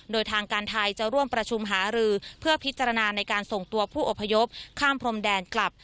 โดยทางการไทยจะร่วมประชุมหารือเพื่อพิจารณาในการส่งตัวผู้อพยพข้ามพรมแดนกลับ